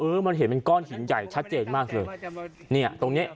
มันเห็นเป็นก้อนหินใหญ่ชัดเจนมากเลยเนี่ยตรงเนี้ย